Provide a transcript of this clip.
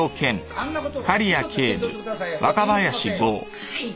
はい。